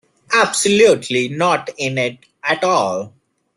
Absolutely not in it at all.